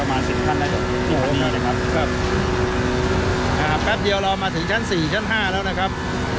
ประมาณสิบท่านได้ครับครับครับครับแป๊บเดียวเรามาถึงชั้นสี่ชั้นห้าแล้วนะครับ